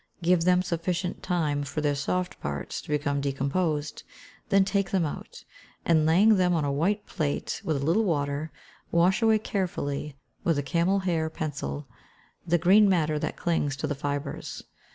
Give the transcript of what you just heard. Give them sufficient time for their soft parts to become decomposed, then take them out, and laying them on a white plate with a little water, wash away carefully, with a camel hair pencil, the green matter that clings to the fibres.